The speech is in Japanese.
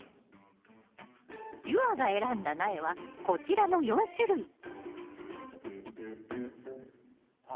夕空が選んだ苗はこちらの４種類ああ